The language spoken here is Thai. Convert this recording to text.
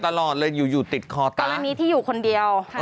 ตอนนี้ที่อยู่คนเดียว